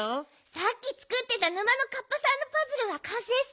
さっきつくってた沼のカッパさんのパズルはかんせいした？